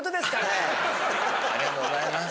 ありがとうございます。